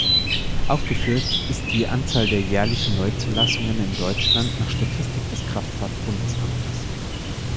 Aufgeführt ist die Anzahl der jährlichen Neuzulassungen in Deutschland nach Statistik des Kraftfahrt-Bundesamtes.